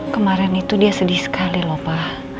kemaren itu dia sedih sekali loh pa